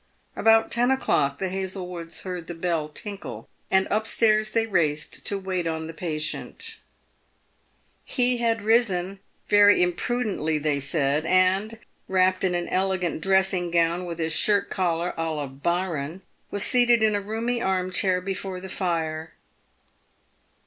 About ten o'clock, the Hazlewoods heard the bell tinkle, and up stairs they raced to wait on the patient. He had risen — very im prudently they said — and, wrapped in an elegant dressing gown, with his shirt collar a la Byron, was seated in a roomy arm chair before the fire.